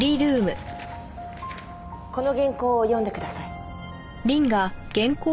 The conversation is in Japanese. この原稿を読んでください。